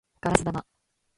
ガラス玉